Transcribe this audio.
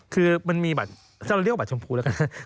คือมันมีบัตรเราเรียกว่าบัตรชมพูแล้วกัน